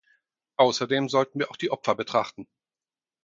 Außerdem sollten wir auch die Opfer betrachten.